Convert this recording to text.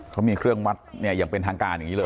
เขามีเครื่องวัดเนี่ยอย่างเป็นทางการอย่างนี้เลย